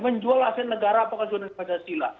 menjual aset negara apakah sesuai dengan pancasila